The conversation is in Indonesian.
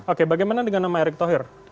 oke bagaimana dengan nama erick thohir